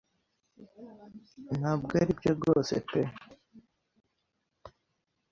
"Ntabwo aribyo rwose pe